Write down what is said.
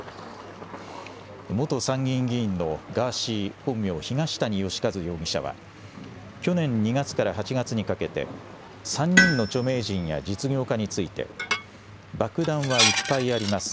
元参議院議員のガーシー、本名・東谷義和容疑者は、去年２月から８月にかけて、３人の著名人や実業家について、爆弾はいっぱいあります。